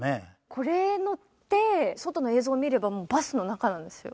これに乗って外の映像を見ればもうバスの中なんですよ